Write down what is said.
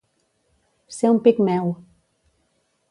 Ser un pigmeu.